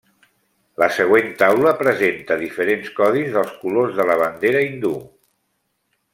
La següent taula presenta diferents codis dels colors de la bandera hindú.